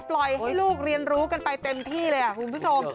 ปล่อยให้ลูกเรียนรู้กันไปเต็มที่เลยคุณผู้ชม